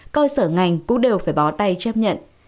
cơ sở ngành cũng đều phải bó tay chấp nhận